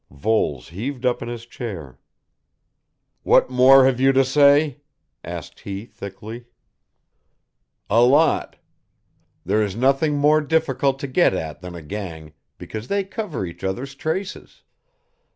Voles heaved up in his chair. "What more have you to say?" asked he thickly. "A lot. There is nothing more difficult to get at than a gang, because they cover each other's traces.